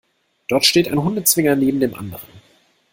Dort steht ein Hundezwinger neben dem anderen.